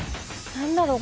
何だろう